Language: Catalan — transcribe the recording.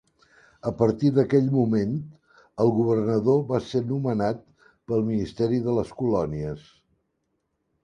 A partir d'aquell moment, el Governador va ser nomenat pel Ministeri de les Colònies.